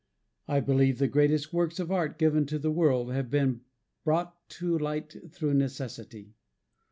I believe the greatest works of art given to the world have been brought to light through necessity.